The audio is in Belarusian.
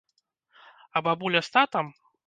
А бабуля з татам?